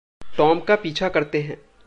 Tom का पीछा करते हैं।